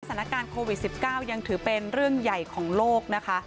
สถานการณ์โควิด๑๙ยังถือเป็นเรื่องใหญ่ของโลกนะคะ